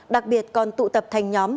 đặc biệt còn tụ tập thành nhóm